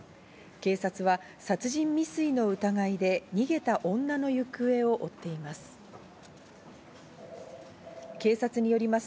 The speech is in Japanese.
警察は殺人未遂の疑いで逃げた女の行方を追っています。